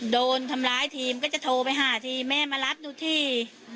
โดนทำร้ายทีมก็จะโทรไปหาทีแม่มารับหนูที